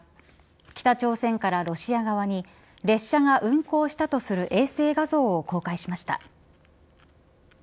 北朝鮮からロシア側に列車が運行したとする衛星画像を公開しました。